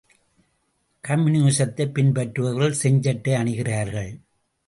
கம்யூனிசத்தைப் பின்பற்றுபவர்கள் செஞ்சட்டை அணிகிறார்கள்.